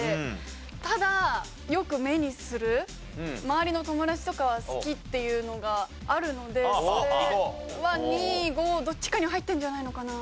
ただよく目にする周りの友達とかは好きっていうのがあるのでそれは２５どっちかには入ってるんじゃないのかな。